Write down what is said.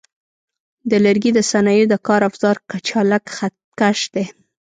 د لرګي د صنایعو د کار افزار کچالک خط کش دی.